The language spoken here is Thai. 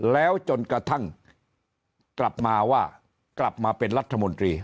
แล้วจนกระทั่งกลับมาว่ากลับมาเป็นรัฐมนตรี